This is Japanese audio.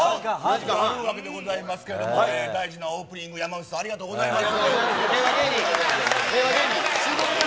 ということでございますけれどもね、大事なオープニング、山内さん、ありがとうございます。